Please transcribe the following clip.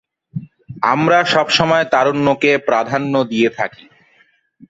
আমরা সব সময় তারুণ্যকে প্রাধান্য দিয়ে থাকি।